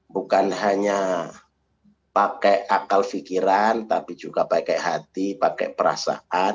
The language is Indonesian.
bukan hanya pakai akal fikiran tapi juga pakai hati pakai perasaan